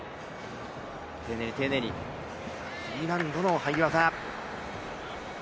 Ｄ難度の入り技。